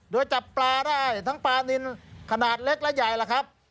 โดยจับปลาได้ทั้งปลานินขนาดเล็กและใหญ่ล่ะครับ